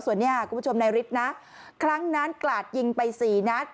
ส่วนนี้คุณผู้ชมนายฤทธิ์นะครั้งนั้นกลาดยิงไปสี่นัด